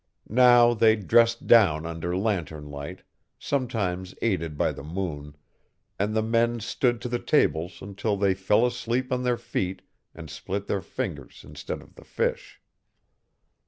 Now they dressed down under lantern light, sometimes aided by the moon, and the men stood to the tables until they fell asleep on their feet and split their fingers instead of the fish.